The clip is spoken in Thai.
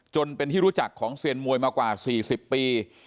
จนเป็นที่รู้จักของเซียนมวยมากว่า๔๐ปี